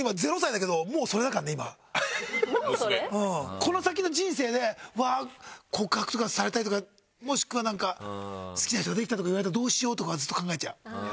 この先の人生で告白とかされたりとかもしくは好きな人ができたとか言われたらどうしようとかずっと考えちゃう。